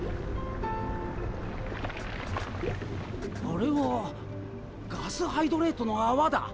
あれはガスハイドレートの泡だ！